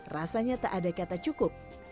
rasanya tak ada kata cukup